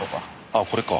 あっこれか。